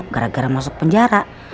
gara gara masuk penjara